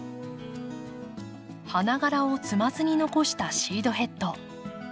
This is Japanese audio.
花がらを摘まずに残したシードヘッド。